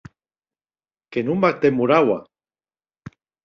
Que non m’ac demoraua!